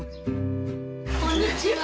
こんにちは。